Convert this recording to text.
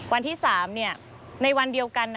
วันที่๓ในวันเดียวกัน